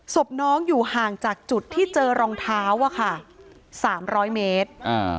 ศพน้องอยู่ห่างจากจุดที่เจอรองเท้าอะค่ะ๓๐๐เมตร